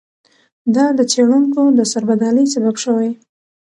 دا د څېړونکو د سربدالۍ سبب شوی.